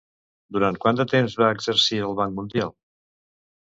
Durant quant de temps va exercir al Banc Mundial?